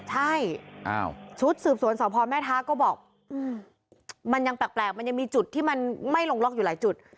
ใช่ชุดสืบสวนสพแม่ท้าก็บอกมันยังแปลกมันยังมีจุดที่มันไม่ลงล็อกอยู่หลายจุด